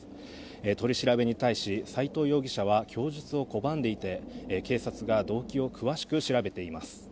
取り調べに対し斎藤容疑者は供述を拒んでいて警察が動機を詳しく調べています。